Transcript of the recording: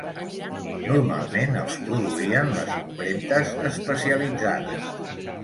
Normalment els produïen les impremtes especialitzades.